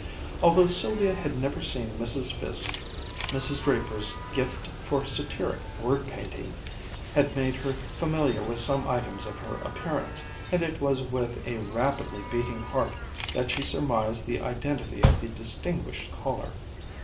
Although Sylvia had never seen Mrs. Fiske, Mrs. Draper's gift for satiric word painting had made her familiar with some items of her appearance, and it was with a rapidly beating heart that she surmised the identity of the distinguished caller.